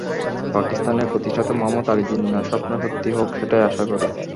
পাকিস্তানের প্রতিষ্ঠাতা মোহাম্মদ আলী জিন্নাহর স্বপ্ন সত্যি হোক, সেটাই আশা করি।